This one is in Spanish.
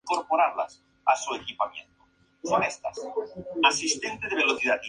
Se formó en Alicante.